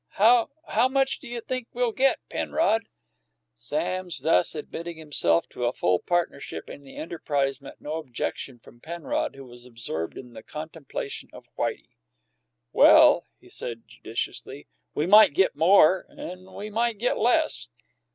How how much do you think we'll get, Penrod?" Sam's thus admitting himself to a full partnership in the enterprise met no objection from Penrod, who was absorbed in the contemplation of Whitey. "Well," he said judicially, "we might get more and we might get less."